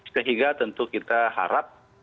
sehingga tentu kita harap